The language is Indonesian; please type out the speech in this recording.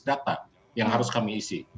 data yang harus kami isi